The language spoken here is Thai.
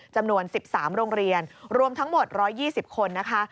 จำนวน๑๓โรงเรียนรวมทั้งหมด๑๒๐คนนะคะ